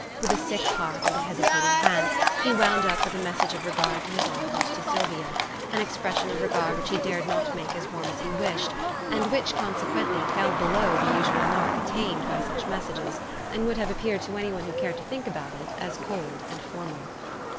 With a sick heart and a hesitating hand, he wound up with a message of regard to his aunt and to Sylvia; an expression of regard which he dared not make as warm as he wished, and which, consequently, fell below the usual mark attained by such messages, and would have appeared to any one who cared to think about it as cold and formal.